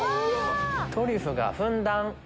トリュフがふんだん！